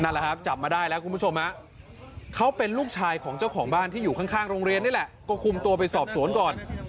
นั่นแหละครับจับมาได้แล้วคุณผู้ชมเขาเป็นลูกชายของเจ้าของบ้านที่อยู่ข้างโรงเรียนนี่แหละก็คุมตัวไปสอบสวนก่อน